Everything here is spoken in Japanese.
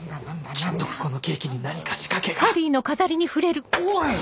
きっとこのケーキに何か仕掛けがおい！